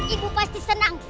ibu pasti senang